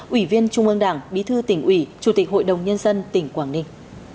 ủy viên trung ương đảng bí thư tỉnh ủy chủ tịch hội đồng nhân dân tỉnh quảng ninh